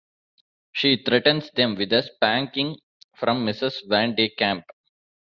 She threatens them with a spanking -- from Mrs. Van De Kamp.